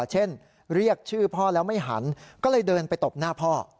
เช่นเรียกชื่อพ่อแล้วไม่หันก็เลยเดินไปตบหน้าพ่อ